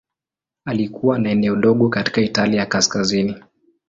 Alikuwa na eneo dogo katika Italia ya Kaskazini.